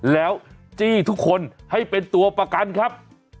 แล้วจี้ทุกคนให้เป็นตัวประกันครับ